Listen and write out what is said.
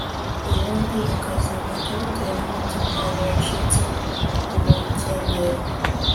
ubundi bakazikama bitewe n'umutima wabo wacitse urukendero